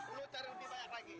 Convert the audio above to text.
aku cari uji banyak lagi